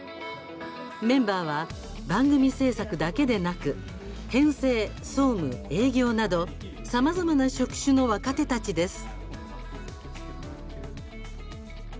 メンバーは、番組制作だけでなく編成、総務、営業などさまざまな職種の若手たちです。